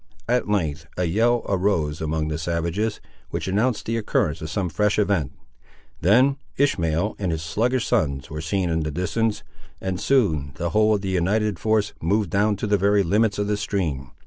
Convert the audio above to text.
At length a yell arose among the savages, which announced the occurrence of some fresh event. Then Ishmael and his sluggish sons were seen in the distance, and soon the whole of the united force moved down to the very limits of the stream.